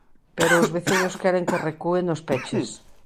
Pero os veciños queren que recúe nos peches.